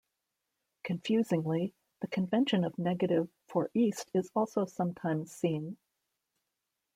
Confusingly, the convention of negative for East is also sometimes seen.